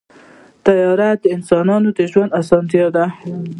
طیاره د انسانانو د ژوند اسانتیا ده.